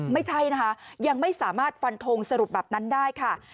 ไม่ใช่นะคะยังไม่สามารถฟันทงสรุปแบบนั้นได้ค่ะ